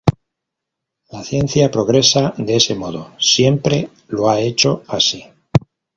La ciencia progresa de ese modo; siempre lo ha hecho así’’.